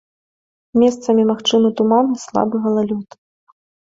Месцамі магчымы туман і слабы галалёд.